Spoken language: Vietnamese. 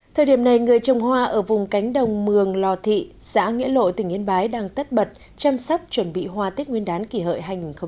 thời điểm này người trồng hoa ở vùng cánh đồng mường lò thị xã nghĩa lộ tỉnh yên bái đang tất bật chăm sóc chuẩn bị hoa tết nguyên đán kỷ hợi hai nghìn một mươi chín